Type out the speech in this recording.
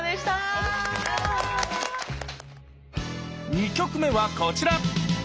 ２曲目はこちら！